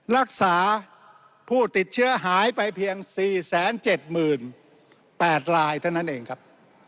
รักษาผู้ติดเชื้อหายไปเพียง๔๗๘ลายเท่านั้นเองครับ